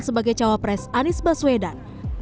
sebagai cawapres anies baswedan